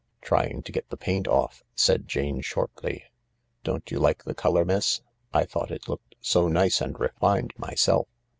"Trying to get the paint off," said Jane shortly. " Don't you like the colour, miss ? I thought it looked so nice and refined myself."